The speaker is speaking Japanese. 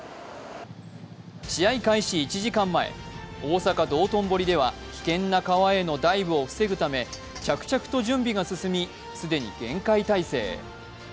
試合開始１時間前、大阪・道頓堀では危険な川へのダイブを防ぐため、着々と準備が進み、既に厳戒態勢。